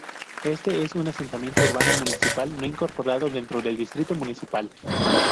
Este es un asentamiento urbano municipal no incorporado dentro del distrito municipal.